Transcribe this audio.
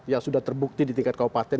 yang sudah terbukti di tingkat kabupaten